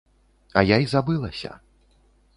А я і забылася.